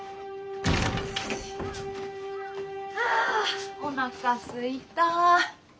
ああおなかすいた。